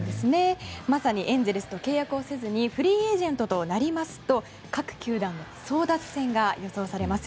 まさにエンゼルスと契約をせずにフリーエージェントとなりますと各球団の争奪戦が予想されます。